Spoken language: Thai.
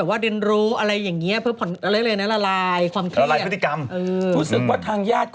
ส่วนที่มีข่าวลืนนะครับว่า